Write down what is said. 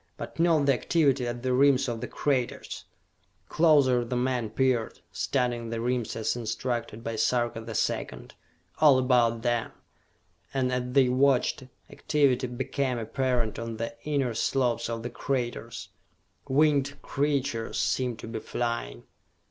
But note the activity at the rims of the craters!" Closer the men peered, studying the rims as instructed by Sarka the Second. All about them and as they watched, activity became apparent on the inner slopes of the craters winged creatures seemed to be flying.